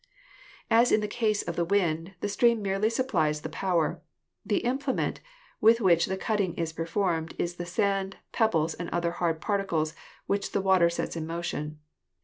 As in the case of the wind, the stream merely supplies the power; the implement with which the cutting is per formed is the sand, pebbles and other hard particles which the water sets in motion.